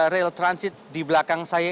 rail transit di belakang saya